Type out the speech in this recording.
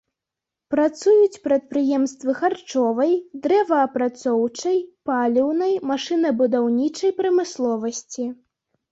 Працуюць прадпрыемствы харчовай, дрэваапрацоўчай, паліўнай, машынабудаўнічай прамысловасці.